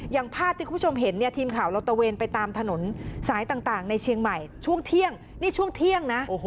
อย่างภาพที่คุณผู้ชมเห็นเนี่ยทีมข่าวเราตะเวนไปตามถนนสายต่างในเชียงใหม่ช่วงเที่ยงนี่ช่วงเที่ยงนะ